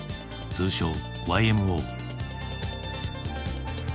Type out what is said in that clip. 通称ＹＭＯ。